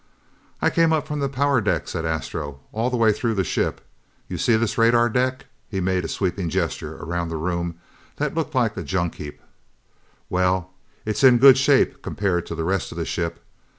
"I came up from the power deck," said Astro, "all the way through the ship. You see this radar deck?" He made a sweeping gesture around the room that looked like a junk heap. "Well, it's in good shape, compared to the rest of the ship.